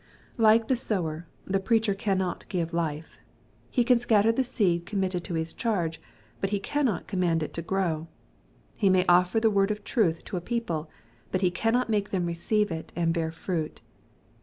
Like the sower, the preacher cannot give life. He can scatter the seed committed to his charge, but cannot command it to grow. He may offer the word of truth to a people, but he cannot make them receive it and bear fruit.